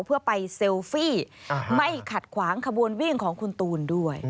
เพื่อไปเซลฟี่ไม่ขัดขวางขบวนวิ่งของคุณตูนด้วย